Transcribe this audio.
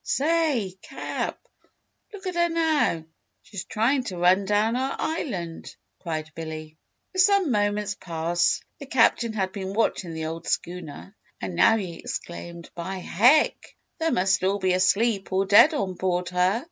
"Say, Cap! Look at her now she's trying to run down our Island," cried Billy. For some moments past the Captain had been watching the old schooner and now he exclaimed: "By Heck! They must all be asleep or dead on board her.